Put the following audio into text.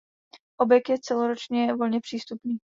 Objekt je celoročně volně přístupný.